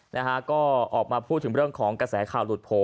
นะฮะก็ออกมาพูดถึงเรื่องของกระแสข่าวหลุดโผล่